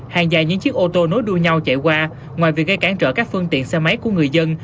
hàng dài những chiếc ô tô nối đuôi nhau chạy qua ngoài việc gây cản trở các phương tiện xe máy của người dân